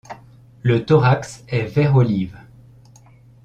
Le thorax est vert olive.